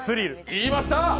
言いました！